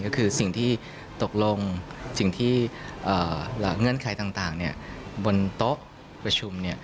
ก็คือสิ่งที่ตกลงสิ่งที่เงื่อนไขต่างบนโต๊ะประชุม